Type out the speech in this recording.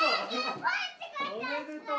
おめでとう？